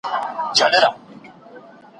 ذهني فشار د باور فضا خرابوي.